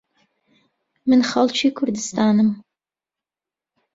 من خەڵکی کوردستانم.